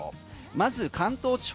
まず関東地方。